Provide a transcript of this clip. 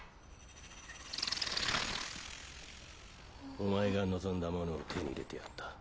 お前が望んだものを手に入れてやった。